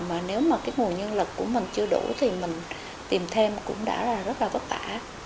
mà nếu mà cái nguồn nhân lực của mình chưa đủ thì mình tìm thêm cũng đã là rất là vất vả